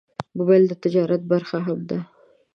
موبایل د تجارت برخه هم ده.